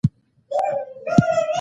ـ رښتیا خبرې یا مست کوي یا لیوني.